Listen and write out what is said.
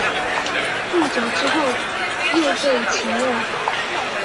不久之后又被起用。